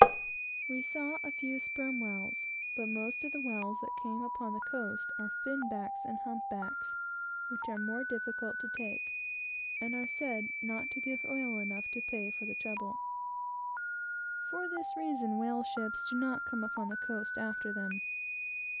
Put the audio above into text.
We saw a few sperm whales; but most of the whales that come upon the coast are fin backs, hump backs, and right whales, which are more difficult to take, and are said not to give oil enough to pay for the trouble. For this reason whale ships do not come upon the coast after them.